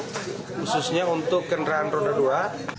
khususnya untuk kendaraan roda dua